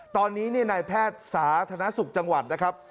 ตอนนี้นายแพทย์สาธารณสุขจังหวัดนะครับ